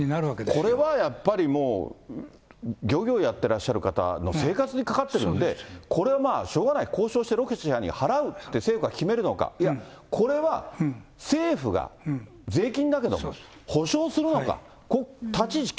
これはやっぱりもう、漁業やってるらっしゃる方の生活にかかってるんで、これはしょうがない、交渉してロシアに払うって政府が決めるのか、いや、これは政府が税金だけど、補償するのか、そうです。